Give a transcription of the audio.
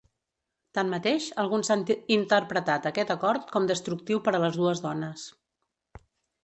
Tanmateix, alguns han interpretat aquest acord com destructiu per a les dues dones.